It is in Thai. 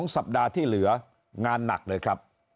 สัปดาห์ที่เหลืองานหนักเลยครับ